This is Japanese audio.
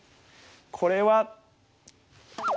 これは。